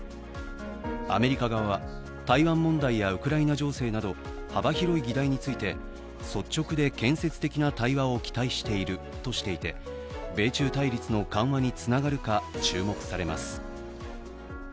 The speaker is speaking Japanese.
アメリカ側は、台湾問題やウクライナ情勢など幅広い議題について率直で建設的な対話を期待しているとしていて米中対立の緩和につながるか注目されます。